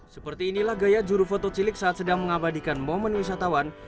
seperti inilah gaya juru foto cilik saat sedang mengabadikan momen wisatawan